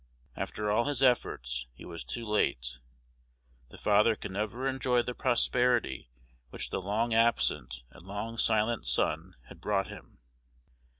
After all his efforts, he was too late: the father could never enjoy the prosperity which the long absent and long silent son had brought him.